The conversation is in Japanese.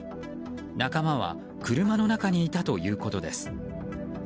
仲間は車の中にいたということです。